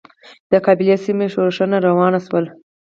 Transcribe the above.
د قبایلي سیمو ښورښونه روان ول.